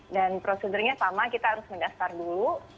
dan prosedurnya sama kita harus mendaftar dulu